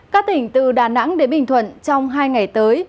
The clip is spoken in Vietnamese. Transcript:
các tỉnh từ đà nẵng đến bình thuận trong hai ngày tới